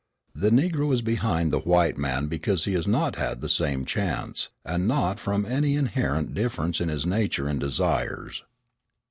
The Negro is behind the white man because he has not had the same chance, and not from any inherent difference in his nature and desires.